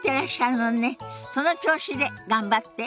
その調子で頑張って。